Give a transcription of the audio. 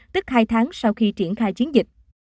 tức hai tháng sau khi triển khai chiến dịch